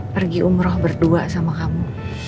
pergi umroh berdua sama kamu